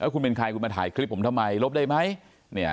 คุณเป็นใครคุณมาถ่ายคลิปผมทำไมลบได้ไหม